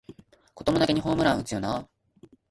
こともなげにホームラン打つよなあ